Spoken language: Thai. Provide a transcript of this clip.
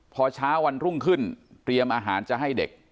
พอเช้าวันรุ่งขึ้นเตรียมอาหารจะให้เด็ก